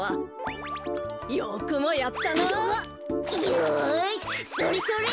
よしそれそれ。